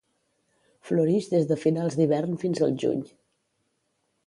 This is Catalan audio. Florix des de finals d'hivern fins al juny.